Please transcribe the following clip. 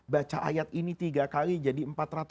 baca ayat ini tiga kali jadi